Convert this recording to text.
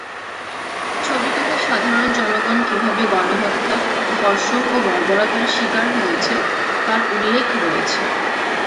ছবিটিতে সাধারণ জনগণ কিভাবে গণহত্যা, ধর্ষণ ও বর্বরতার শিকার হয়েছে তার উল্লেখ রয়েছে।